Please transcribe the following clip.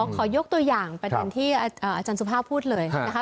ขอยกตัวอย่างประเด็นที่อาจารย์สุภาพพูดเลยนะคะ